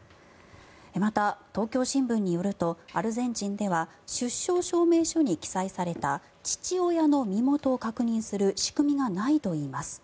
また、東京新聞によるとアルゼンチンでは出生証明書に記載された父親の身元を確認する仕組みがないといいます。